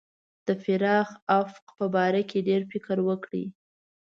د پراخ افق په باره کې فکر وکړي.